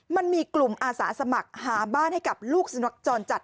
มันมีกลุ่มอาสาสมัครหาบ้านให้กับลูกสุนัขจรจัด